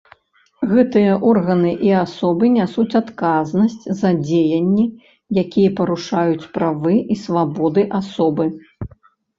Гэтыя органы і асобы нясуць адказнасць за дзеянні, якія парушаюць правы і свабоды асобы.